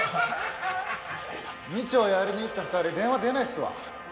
二丁をやりにいった２人電話出ないっすわ。